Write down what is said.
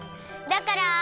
だから。